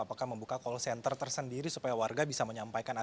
apakah membuka call center tersendiri supaya warga bisa menyampaikan